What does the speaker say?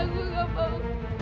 aku gak mau